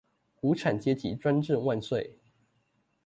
無產階級專政萬歲！